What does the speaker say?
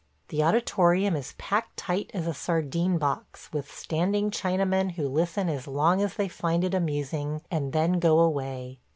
The auditorium is packed tight as a sardine box with standing Chinamen who listen as long as they find it amusing and then go away.